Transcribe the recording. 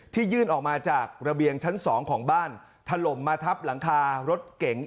ยื่นออกมาจากระเบียงชั้น๒ของบ้านถล่มมาทับหลังคารถเก๋ง